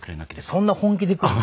そんな本気でくる？